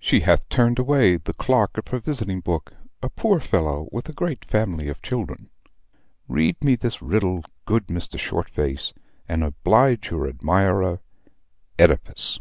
She hath turned away the clerk of her visiting book, a poor fellow with a great family of children. Read me this riddle, good Mr. Shortface, and oblige your admirer OEDIPUS."